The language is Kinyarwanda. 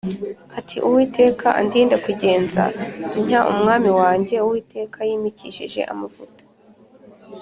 ati “Uwiteka andinde kugenza ntya umwami wanjye Uwiteka yimikishije amavuta”